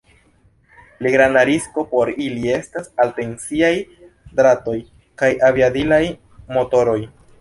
Pli granda risko por ili estas alttensiaj dratoj kaj aviadilaj motoroj.